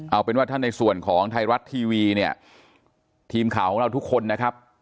เอาเป็นว่าถ้าในส่วนของไทยรัฐทีวีเนี่ยทีมข่าวของเราทุกคนนะครับ